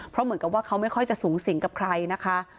เพราะเหมือนกับว่าเขาไม่ค่อยจะสูงสิงกับใครนะคะ